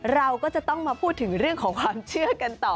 เราก็จะต้องมาพูดถึงเรื่องของความเชื่อกันต่อ